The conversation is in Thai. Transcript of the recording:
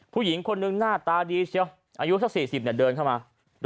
ผู้หญิงคนนึงหน้าตาดีเชียวอายุสัก๔๐เดินเข้ามา